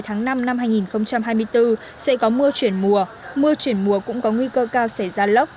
tháng năm năm hai nghìn hai mươi bốn sẽ có mưa chuyển mùa mưa chuyển mùa cũng có nguy cơ cao xảy ra lốc